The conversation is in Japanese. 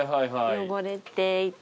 汚れていて。